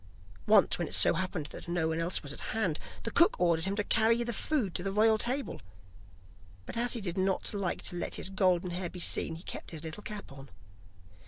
Once when it so happened that no one else was at hand, the cook ordered him to carry the food to the royal table, but as he did not like to let his golden hair be seen, he kept his little cap on.